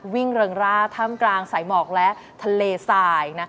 วิ่งเริงราถ้ำกลางสายหมอกและทะเลทราย